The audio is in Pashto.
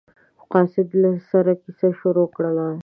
قاصد له سره کیسه شروع کړله.